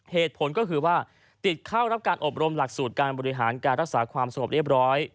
เหตุผลก็คือว่าติดเข้ารับการอบรมหลักสูตรการบริหารการรักษาความสงบเรียบร้อย